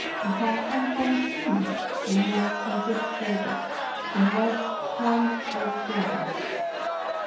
He had come home sooner than was anticipated and was primed for trouble.